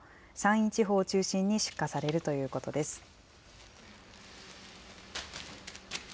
山陰地方を中心に出荷されるということです。